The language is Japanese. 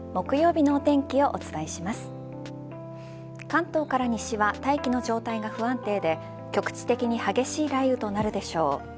関東から西は大気の状態が不安定で局地的に激しい雷雨となるでしょう。